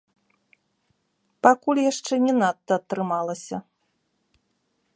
Пакуль яшчэ не надта атрымалася.